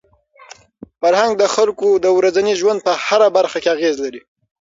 فرهنګ د خلکو د ورځني ژوند په هره برخه کي اغېز لري.